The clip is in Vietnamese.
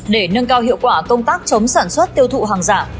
để nâng cao hiệu quả công tác chống sản xuất tiêu thụ hàng giả